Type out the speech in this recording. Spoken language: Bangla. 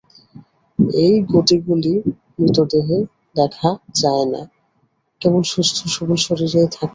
এই গতিগুলি মৃতদেহে দেখা যায় না, কেবল সুস্থ সবল শরীরেই থাকে।